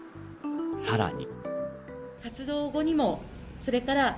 さらに。